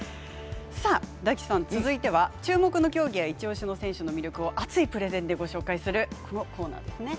大吉さん、続いては注目の競技や一押しの選手の魅力を熱いプレゼンで、ご紹介するこのコーナーですね。